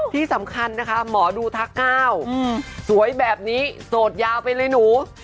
ที่สำคัญนะคะหมอดูทัก๙สวยแบบนี้โสดยาวไปเลยหนู